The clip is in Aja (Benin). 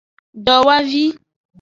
Dowavi.